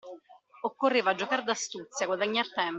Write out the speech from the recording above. Occorreva giocar d'astuzia, guadagnar tempo.